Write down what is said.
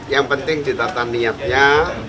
yang penting ditata niatnya